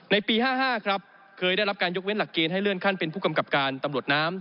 ปี๕๕ครับเคยได้รับการยกเว้นหลักเกณฑ์ให้เลื่อนขั้นเป็นผู้กำกับการตำรวจน้ำ